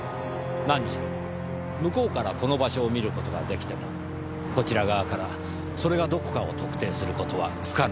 なにしろ向こうからこの場所を見る事が出来てもこちら側からそれがどこかを特定する事は不可能に近い。